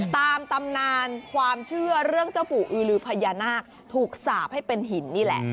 ตามตำนานความเชื่อเรื่องเจ้าปู่อือลือพญานาคถูกสาปให้เป็นหินนี่แหละ